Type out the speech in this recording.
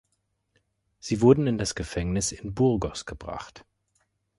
Sie wurden in das Gefängnis in Burgos gebracht.